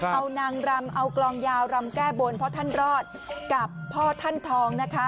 เอานางรำเอากลองยาวรำแก้บนเพราะท่านรอดกับพ่อท่านทองนะคะ